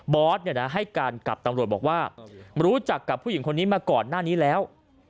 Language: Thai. อสให้การกับตำรวจบอกว่ารู้จักกับผู้หญิงคนนี้มาก่อนหน้านี้แล้ว